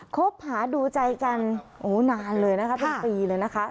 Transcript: คบหาดูใจกันโอ้นานเลยนะคะเป็นปีเลยนะคะ